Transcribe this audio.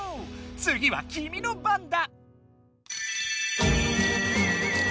つぎはきみの番だ！